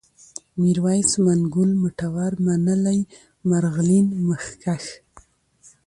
ميرويس ، منگول ، مټور ، منلی ، مرغلين ، مخکښ